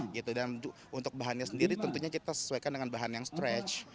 dan untuk bahannya sendiri tentunya kita sesuaikan dengan bahan yang stretch